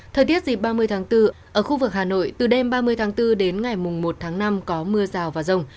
thời tiết dịp ba mươi tháng bốn ở khu vực hà nội từ đêm ba mươi tháng bốn đến ngày một tháng năm có mưa rào và rông